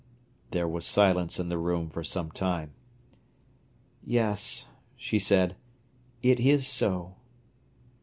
There was silence in the room for some time. "Yes," she said, "it is so."